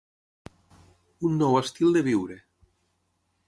Un nou estil de viure.